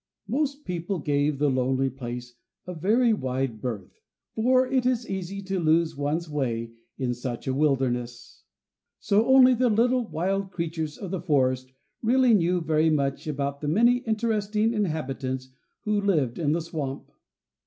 Most people gave the lonely place a very wide berth, for it is easy to lose one's way in such a wilderness. So only the little wild creatures of the forest really knew very much about the many interesting inhabitants who lived in the swamp.